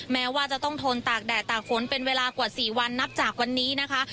แม้ว่าจะต้องทนตากแดดตากฝนเป็นเวลากว่า๔วันนับจากวันนี้นะคะ